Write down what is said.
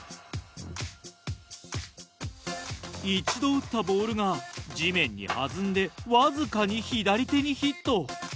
一度打ったボールが地面に弾んでわずかに左手にヒット。